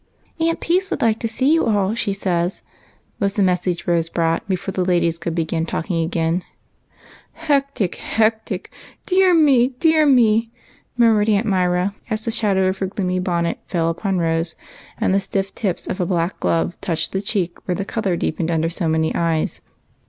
" Aunt Peace would like to see you all, she says," was the message Rose brought before the ladies could begin again. " Hectic, hectic !— dear me, dear me !" murmured Aunt Myra, as the shadow of her gloomy bonnet fell A UNTS. 43 upon Rose, and the stiff tips of a black glove touched the cheek where the color deepened under so many eyes.